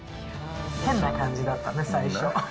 変な感じだったね、最初。